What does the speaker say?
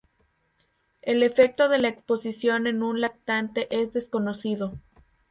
El efecto de la exposición en un lactante es desconocido.